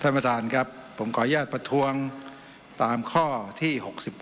ท่านประธานครับผมขออนุญาตประท้วงตามข้อที่๖๗